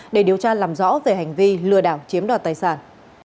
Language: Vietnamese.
để điều tra làm rõ về hành vi lừa đảo chiếm đoạt tài sản